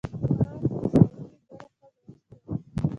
مار د سړي بله ښځه وچیچله.